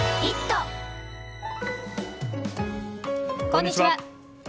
こんにちは。